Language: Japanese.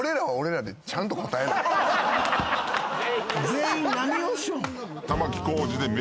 全員何をしよん？